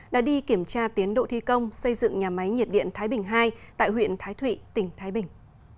đã đi kiểm tra tiến độ thi công xây dựng nhà máy nhiệt điện thái bình ii tại huyện thái thụy tỉnh thái bình